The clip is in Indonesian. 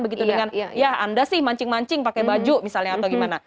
begitu dengan ya anda sih mancing mancing pakai baju misalnya atau gimana